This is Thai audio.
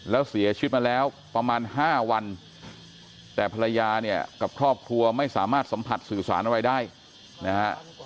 แล้วเสียชีวิตมาแล้วประมาณ๕วันแต่ภรรยาเนี่ยกับครอบครัวไม่สามารถสัมผัสสื่อสารอะไรได้นะฮะ